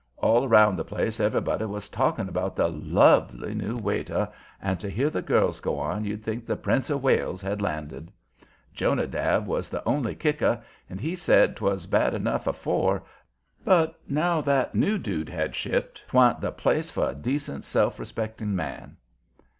All round the place everybody was talking about the "lovely" new waiter, and to hear the girls go on you'd think the Prince of Wales had landed. Jonadab was the only kicker, and he said 'twas bad enough afore, but now that new dude had shipped, 'twa'n't the place for a decent, self respecting man.